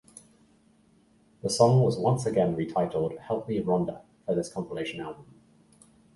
The song was once again retitled "Help Me, Rhonda," for this compilation album.